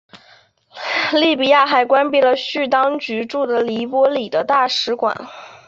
利比亚还关闭了叙当局驻的黎波里的大使馆。